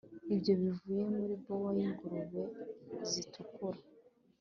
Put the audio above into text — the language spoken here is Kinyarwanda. ibyo bivuye muri bower yingurube zitukura